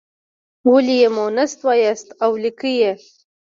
ولې یې مونث وایاست او لیکئ یې.